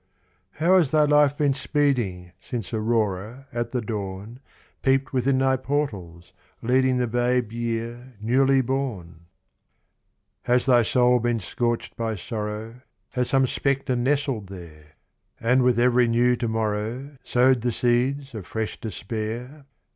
How has thy life been speeding Since Aurora, at the dawn, Peeped within thy portals, leading The babe year, newly born? Has thy soul been scorched by sorrow, Has some spectre nestled there? And with every new to morrow, Sowed the seeds of fresh despair?